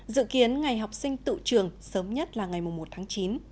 dự kiến ngày học sinh tự trường sớm nhất là ngày một tháng chín